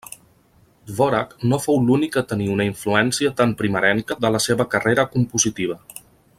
Dvořák no fou l'únic a tenir una influència tan primerenca de la seva carrera compositiva.